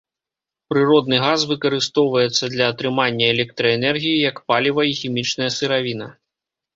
Прыродны газ выкарыстоўваецца для атрымання электраэнергіі, як паліва і хімічная сыравіна.